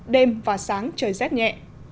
đêm và sáng trời rét nhẹ